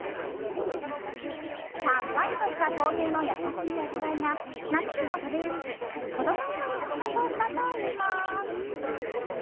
さっぱりとした豆乳の優しい味わいが夏でも食べやすく子供にも人気のソースだといいます。